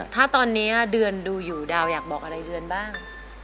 ถ้าตอนนี้เดือนดูอยู่ดาวอยากบอกอะไรเดือนบ้าง